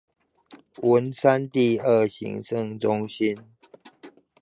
文山第二行政中心